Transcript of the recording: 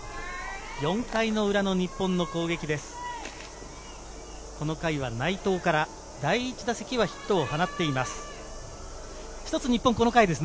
４回の裏の日本の攻撃です。